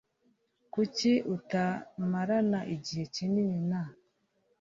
Kuki utamarana igihe kinini na ?